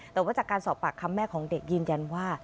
แต่ว่าจากการสอบปากคำแม่ของเด็กยืนยันว่า